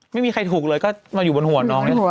ไม่มีใครถูกเลยก็มาอยู่บนหัวน้องเนี่ย